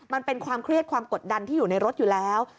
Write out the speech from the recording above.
มันเป็นความเครียดความกดดันที่อยู่ในรถอยู่แล้ว